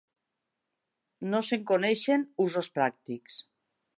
No se'n coneixen usos pràctics.